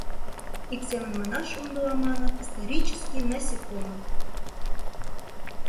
Ик семын манаш, умдыла, маныт, «исторический» насекомый.